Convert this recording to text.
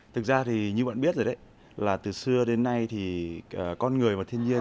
thực ra thì như bạn biết rồi đấy là từ xưa đến nay thì con người và thiên nhiên